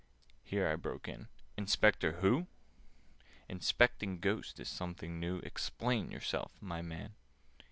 Here I broke in—"Inspector who? Inspecting Ghosts is something new! Explain yourself, my man!"